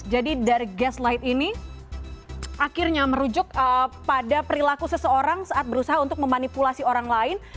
jadi dari gaslight ini akhirnya merujuk pada perilaku seseorang saat berusaha untuk memanipulasi orang lain